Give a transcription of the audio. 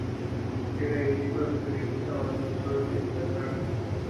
Era hijo del periodista Manuel Ossorio y Bernard.